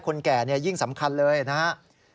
คนแก่เนี่ยยิ่งสำคัญเลยนะฮะ